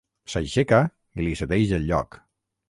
S'aixeca i li cedeix el lloc.